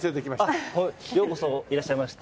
あっようこそいらっしゃいました。